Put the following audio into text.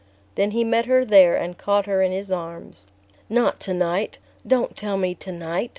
Then he met her there and caught her in his arms. "Not to night don't tell me to night!"